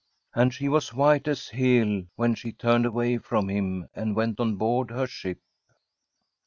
And she was white as Hel when she turned away from him and went on board her ship.